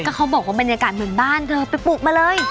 เขาบอกว่าบรรยากาศเหมือนบ้านเธอไปปลูกมาเลย